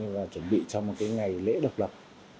và chuẩn bị cho một cái ngày lễ độc lập